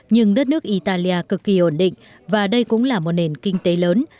nhưng đất nước italia cực kỳ ổn định và đây cũng là một nền kinh tế lớn